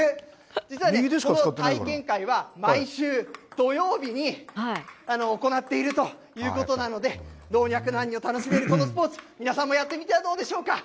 実はこの体験会は、毎週土曜日に、行っているということなので、老若男女楽しめるこのスポーツ、皆さんもやってみてはどうでしょうか。